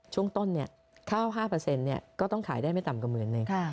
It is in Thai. ช่วงต้นเนี่ยข้าว๕เนี่ยก็ต้องขายได้ไม่ต่ำกว่าหมื่นหนึ่ง